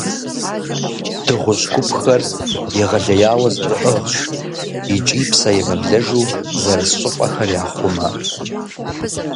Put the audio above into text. Дыгъужь гупхэр егъэлеяуэ зэрыӏыгъщ, икӏи псэемыблэжу зэрыс щӏыпӏэхэр яхъумэ.